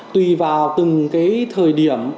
tùy vào từng cái thời điểm